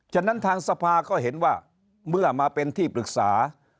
ฉะนั้นทางสภาก็เห็นว่าเมื่อมาเป็นที่ปรึกษา